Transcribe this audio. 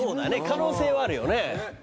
可能性はあるよね